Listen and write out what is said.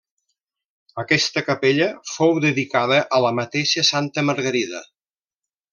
Aquesta capella fou dedicada a la mateixa santa Margarida.